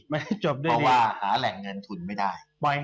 เพราะว่าหาแหล่งเงินทุนไม่ได้